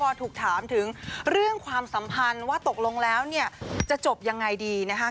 พอถูกถามถึงเรื่องความสัมพันธ์ว่าตกลงแล้วเนี่ยจะจบยังไงดีนะคะ